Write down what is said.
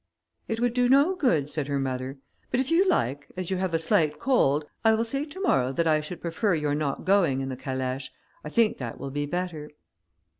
"It would do no good," said her mother; "but if you like, as you have a slight cold, I will say to morrow that I should prefer your not going in the calèche, I think that will be better."